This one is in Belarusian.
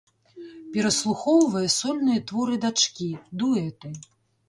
Пераслухоўвае сольныя творы дачкі, дуэты.